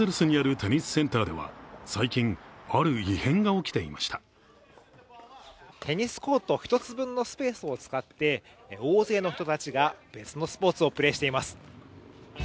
テニスコート１つ分のスペースを使って大勢の人たちが別のスポーツをプレーしています。